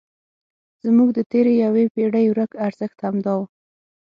زموږ د تېرې یوې پېړۍ ورک ارزښت همدا و.